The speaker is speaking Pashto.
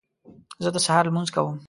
زه د سهار لمونځ کوم